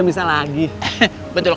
sekarang kita mandi aja